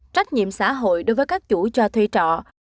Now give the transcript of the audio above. trách nhiệm xã hội đối với các chủ cho thuê trọ